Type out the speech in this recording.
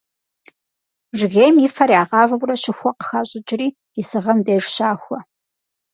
Жыгейм и фэр ягъавэурэ щыхуэ къыхащӏыкӏри исыгъэм деж щахуэ.